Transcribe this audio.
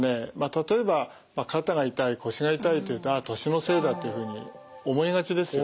例えば肩が痛い腰が痛いというとああ年のせいだというふうに思いがちですよね。